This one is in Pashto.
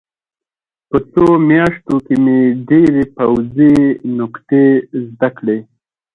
په څو میاشتو کې مې ډېرې پوځي نکتې زده کړې